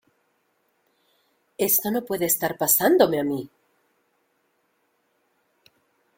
Esto no puede estar pasándome a mí.